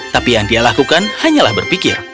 tapi yang dia lakukan hanyalah berpikir